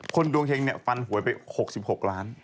คนดวงแฮงฟันหวยไป๖๖ล้าน